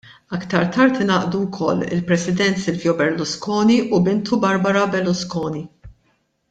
Aktar tard ingħaqdu wkoll il-President Silvio Berlusconi u bintu Barbara Berlusconi.